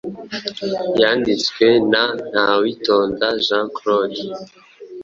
Yanditswe na ntawitonda jean claude